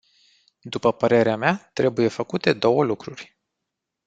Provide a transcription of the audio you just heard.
După părerea mea, trebuie făcute două lucruri.